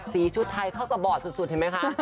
ชุดไทยเข้ากับบอดสุดเห็นไหมคะ